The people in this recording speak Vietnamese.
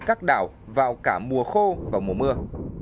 các đảo vào cả mùa khô và mùa mưa